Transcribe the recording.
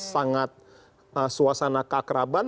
sangat suasana keakraban